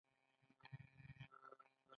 واښه خوړونکي حیوانات کوم دي؟